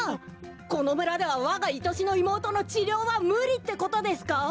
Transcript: このむらではわがいとしのいもうとのちりょうはむりってことですか？